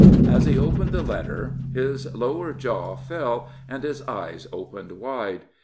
As he opened the letter his lower jaw fell, and his eyes opened wide.